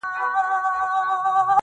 له يوه ځای څخه بل ځای ته په مېله وتل